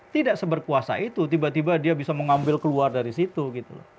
tidak seberkuasa itu tiba tiba dia bisa mengambil keluar dari situ gitu loh